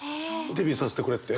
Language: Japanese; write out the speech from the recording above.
デビューさせてくれって？